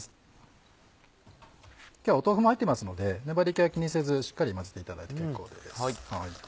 今日は豆腐も入っていますので粘り気は気にせずしっかり混ぜていただいて結構です。